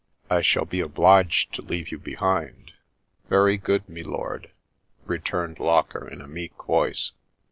I shall be obliged to leave you behind." " Venr good, me lord," returned Locker in a meek voice.